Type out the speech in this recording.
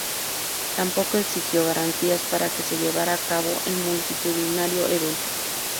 Tampoco exigió garantías para que se llevara a cabo el multitudinario evento.